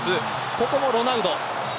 ここもロナウド。